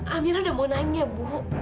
amirah sudah mau nanya bu